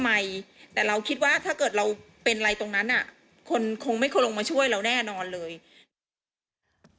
คนคงไม่คงลงมาช่วยเราแน่นอนเลย